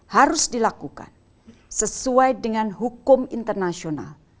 harus dilakukan sesuai dengan hukum internasional